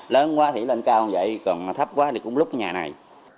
lớn quá thì lên cao vậy còn thấp quá thì cũng lúc nhà này